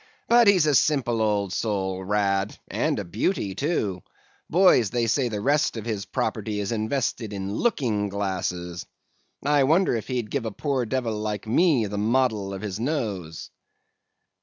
But he's a simple old soul,—Rad, and a beauty too. Boys, they say the rest of his property is invested in looking glasses. I wonder if he'd give a poor devil like me the model of his nose.